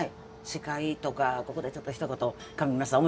司会とかここでちょっとひと言上沼さん